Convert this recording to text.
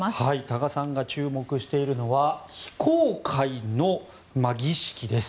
多賀さんが注目しているのは非公開の儀式です。